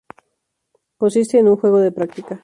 Consiste en un juego de práctica.